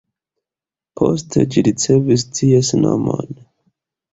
Poste ĝi ricevis ties nomo.